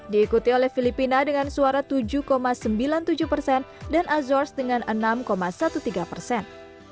diikuti oleh filipina dengan suara tujuh sembilan puluh tujuh persen dan azors dengan enam tiga belas persen